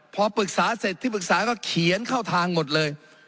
พอปรึกษาเสร็จที่ปรึกษาก็เขียนเข้าทางหมดเลย